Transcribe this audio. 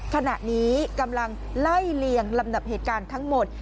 ขณะนี้กำลังไล่เลียงลำดับเหตุการณ์ทั้งหมด